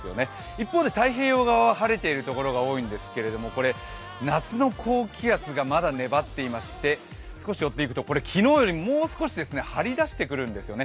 一方で太平洋側は晴れているところが多いんですけれども、これは夏の高気圧がまだ粘っていまして、昨日よりもう少し張りだしてくるんですよね。